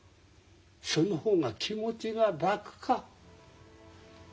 その方が気持ちが楽か？